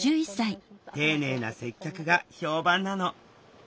丁寧な接客が評判なの。